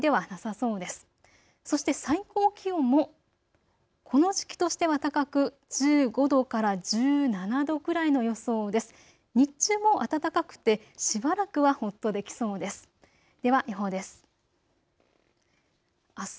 そして最高気温もこの時期としては高く１５度から１７度くらいの予想です。